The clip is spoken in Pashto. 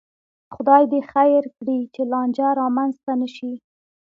خدای دې خیر کړي، چې لانجه را منځته نشي